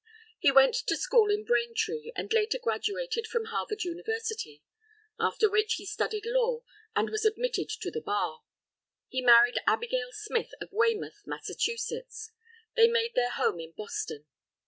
He went to school in Braintree, and later graduated from Harvard University. After which he studied law, and was admitted to the bar. He married Abigail Smith of Weymouth, Massachusetts. They made their home in Boston.